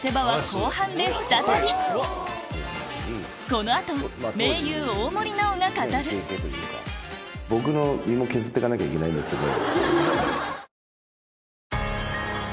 この後僕の身も削って行かなきゃいけないんですけど。